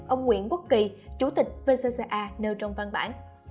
ông nguyễn quốc kỳ chủ tịch vcca nêu trong văn bản